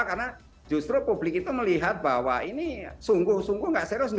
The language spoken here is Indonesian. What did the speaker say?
karena justru publik itu melihat bahwa ini sungguh sungguh nggak serius